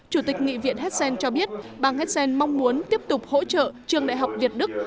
chủ tịch nghị viện hessen cho biết bang hessen mong muốn tiếp tục hỗ trợ trường đại học việt đức